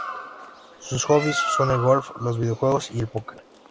Sus hobbies son el golf, los videojuegos y el póquer.